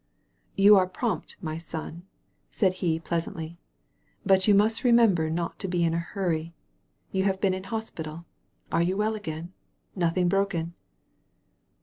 •*You are prompt, my son," said he pleasantly, but you must remember not to be in a hurry. You have been in hospital. Are you well again? Nothing broken?"